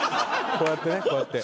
こうやってねこうやって。